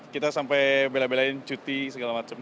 kita sampai bela belain cuti segala macam